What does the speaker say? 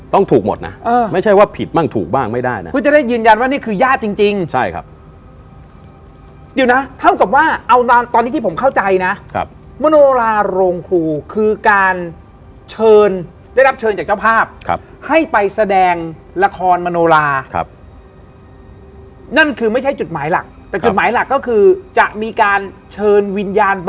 ต้องถูกหมดนะไม่ใช่ว่าผิดบ้างถูกบ้างไม่ได้